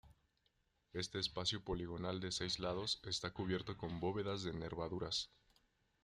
Este espacio poligonal de seis lados está cubierto con bóvedas de nervaduras.